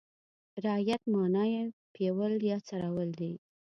رعیت معنا یې پېول یا څرول دي.